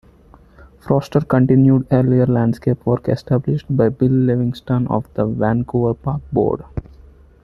Forester continued earlier landscape work established by Bill Livingston of the Vancouver Park Board.